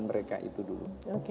mereka itu dulu